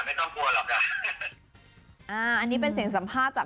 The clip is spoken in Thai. พี่ชามน่าจะเป็นคนมีพิษมีภัยนะเดี๋ยวไปฟังเสียงพี่ชมภูกันจ้า